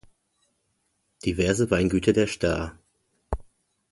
Diverse Weingüter der Sta.